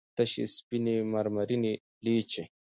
تشې سپينې مرمرينې لېچې